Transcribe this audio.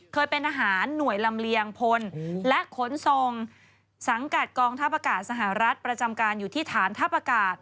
เคยเป็นทหารหน่วยลำเลียงพลและขนส่งสังกัดกองทัพอากาศสหรัฐประจำการอยู่ที่ฐานทัพอากาศ